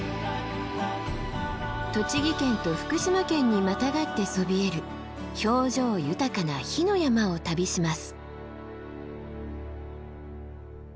栃木県と福島県にまたがってそびえる表情豊かな火の山を旅します。